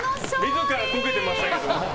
自らこけてましたけど。